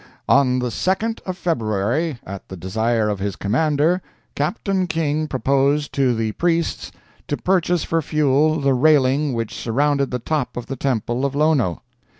"On the 2d of February, at the desire of his commander, Captain King proposed to the priests to purchase for fuel the railing which surrounded the top of the temple of Lono!